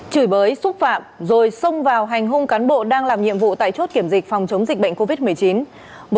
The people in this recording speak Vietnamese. chửi bới xúc phạm rồi xông vào hành hung cán bộ đang làm nhiệm vụ tại chốt kiểm dịch phòng chống dịch bệnh covid một mươi chín